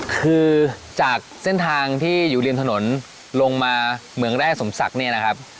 คือจากเส้นทางที่อยู่ริมถนนลงมาเหมืองแร่สมศักดิ์เนี่ยนะครับ